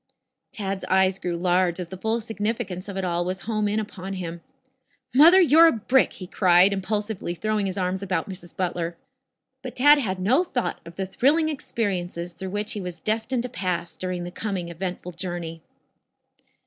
Tad's eyes grew large as the full significance of it all was home in upon him. "Mother, you're a brick," he cried, impulsively throwing his arms about Mrs. Butler. But Tad had no thought of the thrilling experiences through which he was destined to pass during the coming eventful journey.